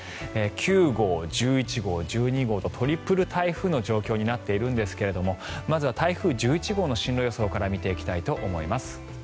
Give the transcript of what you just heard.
９号、１１号、１２号とトリプル台風の状況になっているんですがまずは台風１１号の進路予想から見ていきたいと思います。